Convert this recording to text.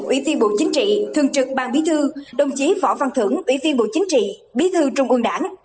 ủy viên bộ chính trị thường trực ban bí thư đồng chí võ văn thưởng ủy viên bộ chính trị bí thư trung ương đảng